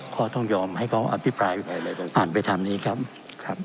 ขอต้องยอมให้เขาอภิปรายอ่านไปทำนี้ครับครับ